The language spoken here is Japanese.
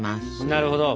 なるほど。